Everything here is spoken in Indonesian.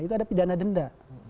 itu ada pidana denda